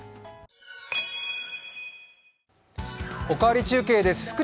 「おかわり中継」です